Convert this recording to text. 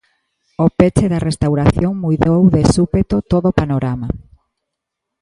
O peche da restauración mudou de súpeto todo o panorama.